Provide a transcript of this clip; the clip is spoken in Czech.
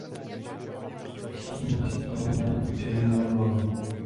Nestačí jen čitelné označení na obalu.